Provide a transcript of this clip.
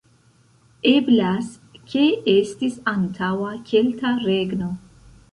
Eblas ke estis antaŭa kelta regno.